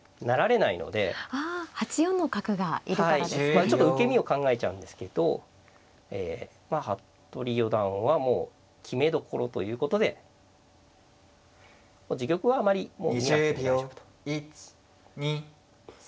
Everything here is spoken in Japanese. まあちょっと受け身を考えちゃうんですけど服部四段はもう決めどころということで自玉はあまりもう見なくて大丈夫と。